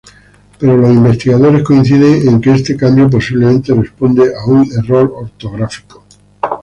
Pero los investigadores coinciden que este cambio posiblemente responde a un error ortográfico.